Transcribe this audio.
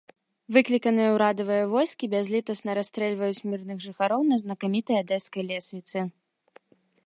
Выкліканыя ўрадавыя войскі бязлітасна расстрэльваюць мірных жыхароў на знакамітай адэскай лесвіцы.